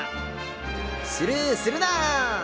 スルーするな。